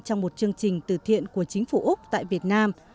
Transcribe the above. trong một chương trình từ thiện của chính phủ úc tại việt nam